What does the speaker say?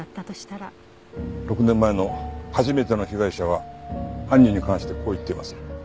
６年前の初めての被害者は犯人に関してこう言っています。